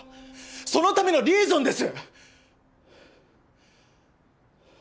そのためのリエゾンです！